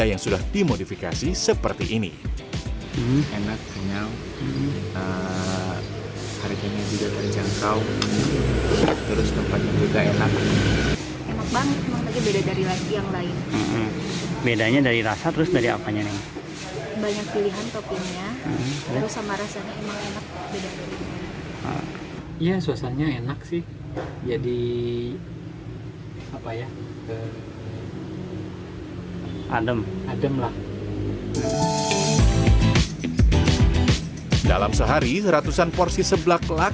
ya suasananya enak sih